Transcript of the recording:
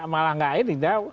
malah gak air